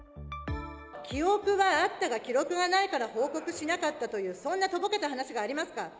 記憶があったが記録がないから報告しなかったという、そんなとぼけた話がありますか。